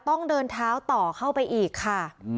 ต้องเดินเท้าต่อเข้าไปอีกค่ะ